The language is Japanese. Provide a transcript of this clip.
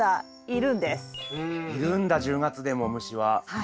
いるんだ１０月でも虫は。